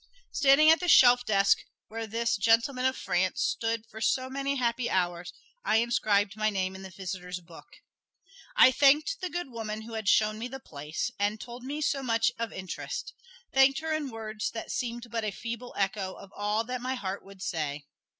Standing at the shelf desk where this "Gentleman of France" stood for so many happy hours, I inscribed my name in the "visitors' book." I thanked the good woman who had shown me the place, and told me so much of interest thanked her in words that seemed but a feeble echo of all that my heart would say.